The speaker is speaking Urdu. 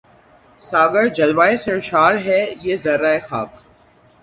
ساغر جلوۂ سرشار ہے ہر ذرۂ خاک